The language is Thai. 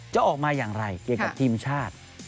จะออกมาอย่างไรเกี่ยวกับทีมชาติ